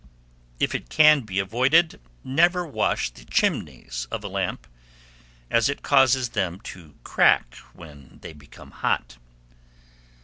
If it can be avoided, never wash the chimneys of a lamp, as it causes them to crack when they become hot.